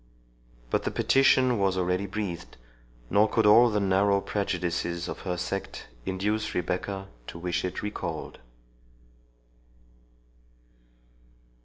But the petition was already breathed, nor could all the narrow prejudices of her sect induce Rebecca to wish it recalled.